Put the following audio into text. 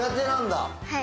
はい。